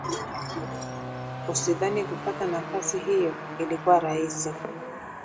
Usidhani kupata nafasi hiyo ilikuwa rahisi